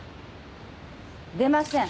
出ません。